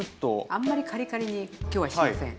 あんまりカリカリに今日はしません。